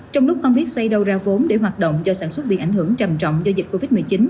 trong lúc không biết xoay đâu ra vốn để hoạt động do sản xuất bị ảnh hưởng trầm trọng do dịch covid một mươi chín